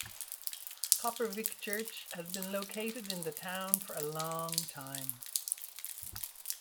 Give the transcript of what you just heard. Kopervik Church has been located in the town for a long time.